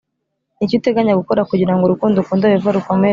Ni iki uteganya gukora kugira ngo urukundo ukunda Yehova rukomere